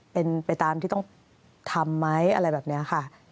เป็นไปตามที่ต้องทำไหมอะไรแบบนี้ค่ะ